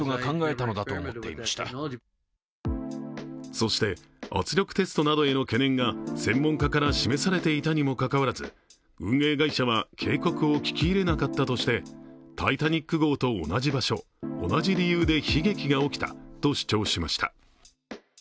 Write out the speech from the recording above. そして圧力テストなどへの懸念が専門家から示されていたのにもかかわらず運営会社は、警告を聞き入れなかったとして「タイタニック」号と同じ理由で悲劇が起きたと主張しました。